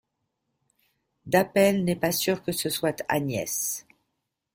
Dappel n'est pas sûr que ce soit Agnès.